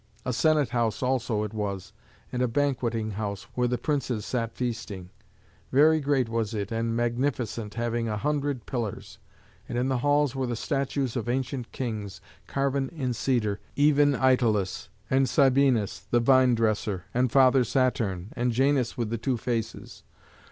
A senate house also it was, and a banqueting house, where the princes sat feasting. Very great was it and magnificent, having a hundred pillars; and in the halls were the statues of ancient kings, carven in cedar, even Italus, and Sabinus the vine dresser, and Father Saturn, and Janus with the two faces.